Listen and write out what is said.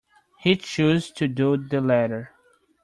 He chose to do the latter.